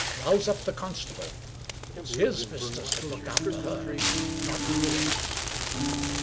Rouse up the constable. It's his business to look after her — not yours."